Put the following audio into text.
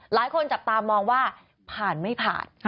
หลายคนจับตามองว่าผ่านไม่ผ่าน